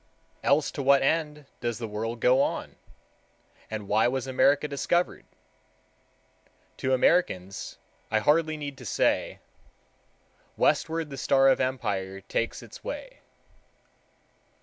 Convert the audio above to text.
Else to what end does the world go on, and why was America discovered? To Americans I hardly need to say— "Westward the star of empire takes its way."